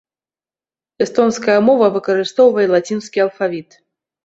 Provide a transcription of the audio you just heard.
Эстонская мова выкарыстоўвае лацінскі алфавіт.